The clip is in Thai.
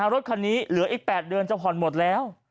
รถคันนี้เหลืออีก๘เดือนจะผ่อนหมดแล้ว